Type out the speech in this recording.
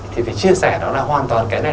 thì phải chia sẻ đó là hoàn toàn cái này